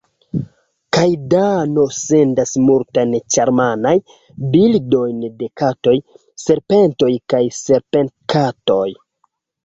Kaj Dano sendas multajn ĉarmajn bildojn de katoj, serpentoj kaj serpentkatoj.